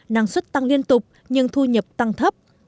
năng suất tăng liên tục nhưng thu nhập tăng thấp